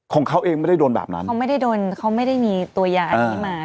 ของเขาเองไม่ได้โดนแบบนั้นเขาไม่ได้โดนเขาไม่ได้มีตัวยาอันนี้มา